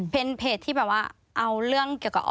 เป็นเพจที่แบบว่าเอาเรื่องเกี่ยวกับ